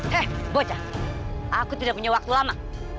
hei bocah aku tidak punya waktu lama